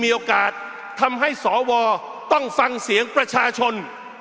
โอกาสทำให้สวต้องฟังเสียงประชาชน